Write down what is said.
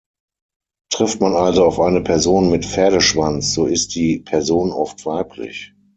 Trifft man also auf eine Person mit Pferdeschwanz, so ist die Person oft weiblich.